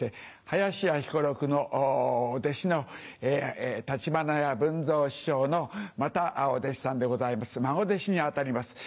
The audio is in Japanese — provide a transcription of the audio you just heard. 林家彦六の弟子の橘家文蔵師匠のまたお弟子さんでございます孫弟子に当たります。